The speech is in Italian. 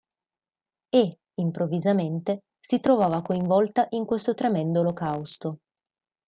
E, improvvisamente, si trovava coinvolta in questo tremendo olocausto.